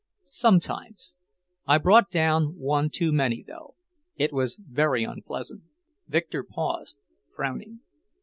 "Sometimes. I brought down one too many, though; it was very unpleasant." Victor paused, frowning.